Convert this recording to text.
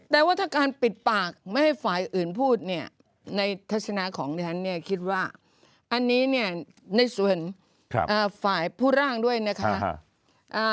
แต่ว่าถ้าการปิดปากไม่ให้ฝ่ายอื่นพูดเนี่ยในทัศนาของดิฉันเนี่ยคิดว่าอันนี้เนี่ยในส่วนฝ่ายผู้ร่างด้วยนะคะ